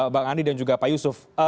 bang andi dan juga pak yusuf